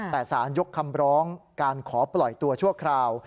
แต่สารยกคำร้องการขอปล่อยตัวชั่วคราว